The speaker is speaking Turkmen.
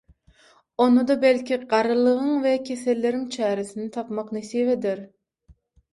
Onda-da belki garrylygyň we keselleriň çäresini tapmak nesip eder.